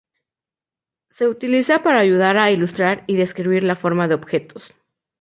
Se utiliza para ayudar a ilustrar y describir la forma de objetos.